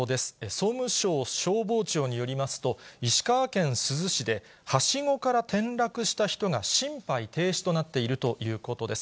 総務省消防庁によりますと、石川県珠洲市で、はしごから転落した人が心肺停止となっているということです。